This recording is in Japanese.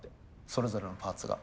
それぞれのパーツが。